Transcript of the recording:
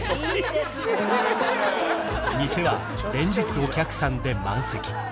店は連日お客さんで満席